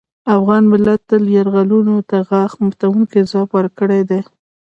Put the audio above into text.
افغان ملت تل یرغلګرو ته غاښ ماتوونکی ځواب ورکړی دی